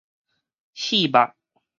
戲肉